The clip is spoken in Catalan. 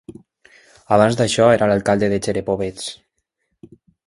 Abans d'això, era l'alcalde de Cherepovets.